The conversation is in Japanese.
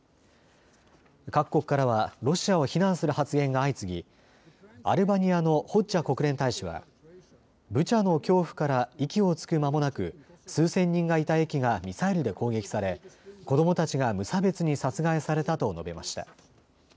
各国からはロシアを非難する発言が相次ぎ、アルバニアのホッジャ国連大使はブチャの恐怖から息をつく間もなく、数千人がいた駅がミサイルで攻撃され子どもたちが無差別に殺害されたと述べました。